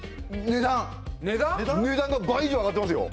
値段が倍以上上がってますよ。